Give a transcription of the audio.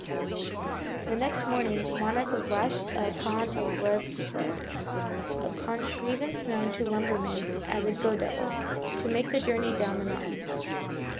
The next morning Monarch was lashed upon a rough sled a contrivance known to lumbermen as a "go devil" to make the journey down the mountain.